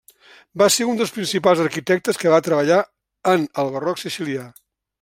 Va ser un dels principals arquitectes que va treballar en el barroc sicilià.